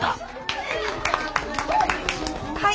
はい。